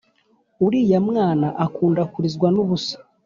Uriya mwana akunda kurizwa nubusa